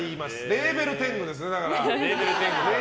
レーベル天狗ですね。